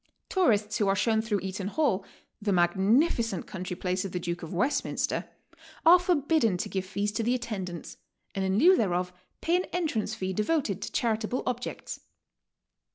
Tourists who are shown through Eaton Hall, the magnificent country place of the Duke of West minster, are forbidden to give fees to the attendants, and in lieu thereof pay an entrance fee devoted to charitable objects.